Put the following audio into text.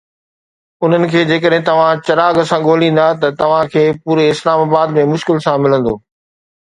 ان کي جيڪڏهن توهان چراغ سان ڳوليندا ته توهان کي پوري اسلام آباد ۾ مشڪل سان ملندو.